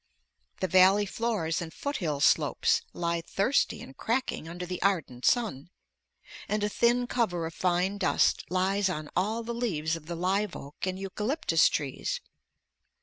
The valley floors and foothill slopes lie thirsty and cracking under the ardent sun, and a thin cover of fine dust lies on all the leaves of the live oak and eucalyptus trees.